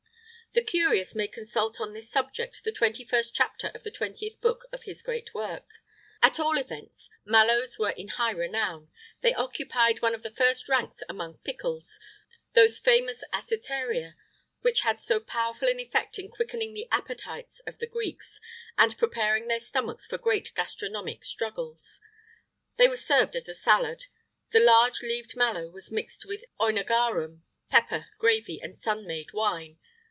The curious may consult on this subject the twenty first chapter of the twentieth book of his great work. At all events mallows were in high renown; they occupied one of the first ranks among pickles, those famous acetaria which had so powerful an effect in quickening the appetites of the Greeks, and preparing their stomachs for great gastronomic struggles.[IX 43] They were served as a salad. The large leaved mallow was mixed with œnogarum, pepper, gravy, and sun made wine.